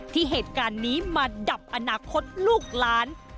ที่เหตุการณ์นี้มาดับอนาคตลูกหลาน